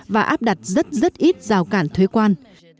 và áp đặt rất rất ít rào cản thuế quan